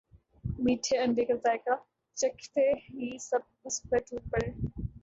میٹھے انڈے کا ذائقہ چکھتے ہی سب اس پر ٹوٹ پڑے